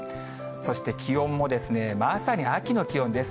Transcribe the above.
そして気温もですね、まさに秋の気温です。